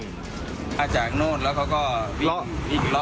มาจากโน่นแล้วก็ก็วิ่งละมาแล้วมีรถน้ำ